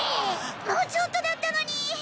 もうちょっとだったのに！